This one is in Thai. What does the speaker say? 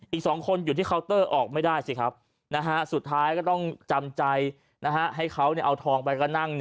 อีก๒คนอยู่ที่เคาน์เตอร์ออกไม่ได้สิครับสุดท้ายก็ต้องจำใจให้เขาเอาทองไปก็นั่ง